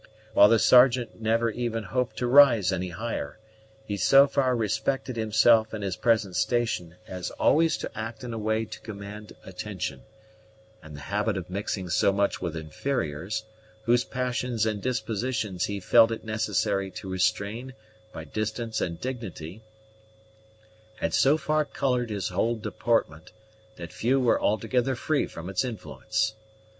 While the Sergeant never even hoped to rise any higher, he so far respected himself and his present station as always to act in a way to command attention; and the habit of mixing so much with inferiors, whose passions and dispositions he felt it necessary to restrain by distance and dignity, had so far colored his whole deportment, that few were altogether free from its influence.